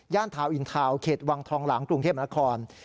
ทาวนอินทาวน์เขตวังทองหลางกรุงเทพนคร